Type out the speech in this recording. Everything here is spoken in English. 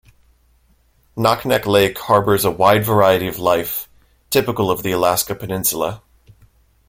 Naknek Lake harbors a wide variety of life, typical of the Alaska Peninsula.